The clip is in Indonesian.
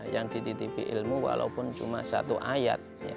yang dititipi ilmu walaupun cuma satu ayat